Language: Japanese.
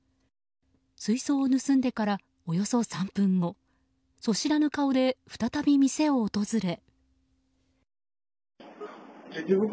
水槽を盗んでからおよそ３分後素知らぬ顔で再び店を訪れ。